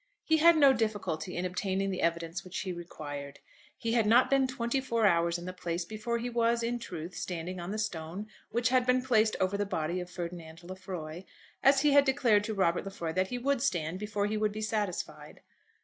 He had no difficulty in obtaining the evidence which he required. He had not been twenty four hours in the place before he was, in truth, standing on the stone which had been placed over the body of Ferdinand Lefroy, as he had declared to Robert Lefroy that he would stand before he would be satisfied.